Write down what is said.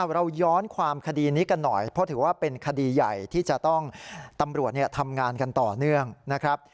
เราย้อนความคดีนี้กันหน่อยเพราะถือว่าเป็นคดีใหญ่ที่จะต้องตำรวจทำงานกันต่อเนื่องนะครับ